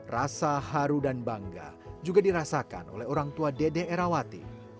rasa haru dan bangga juga dirasakan oleh orang tua dede erawati